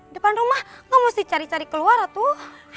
depan rumah gak mesti cari cari keluar tuh